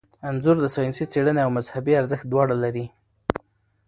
انځور د ساینسي څیړنې او مذهبي ارزښت دواړه لري.